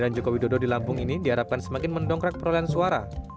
hijrah dari sifat sifat yang penuh dengan keruh punah